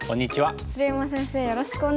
鶴山先生